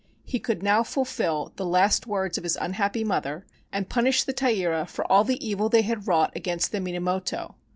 He could now fulfill the last words of his unhappy mother, and punish the Taira for all the evil they had wrought against the Minamoto.